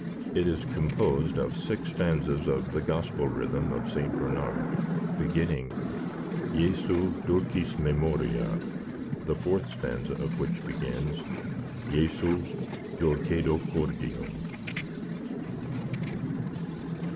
It is composed of six stanzas of the Gospel Rhythm of St. Bernard, beginning, Jesu, dulcis memoria, the fourth stanza of which begins, Jesu, dulcedo Cordium.